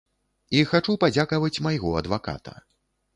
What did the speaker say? І хачу падзякаваць майго адваката.